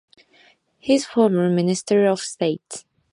He is a former Minister of State.